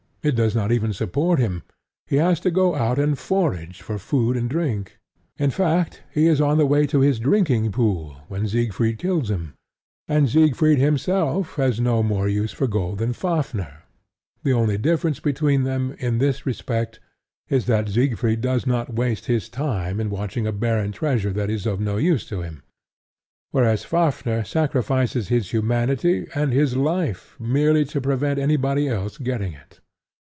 It does not even support him: he has to go out and forage for food and drink. In fact, he is on the way to his drinking pool when Siegfried kills him. And Siegfried himself has no more use for gold than Fafnir: the only difference between them in this respect is that Siegfried does not waste his time in watching a barren treasure that is no use to him, whereas Fafnir sacrifices his humanity and his life merely to prevent anybody else getting it.